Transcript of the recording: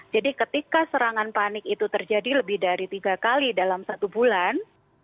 jadi ketika serangan panik itu terjadi lebih dari tiga kali dalam satu bulan